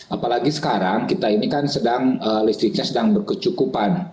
apalagi sekarang listriknya sedang berkecukupan